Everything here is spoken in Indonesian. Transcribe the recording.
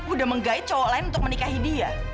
udah menggait cowok lain untuk menikahi dia